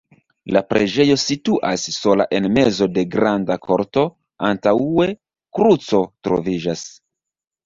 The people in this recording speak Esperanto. La preĝejo situas sola en mezo de granda korto, antaŭe kruco troviĝas.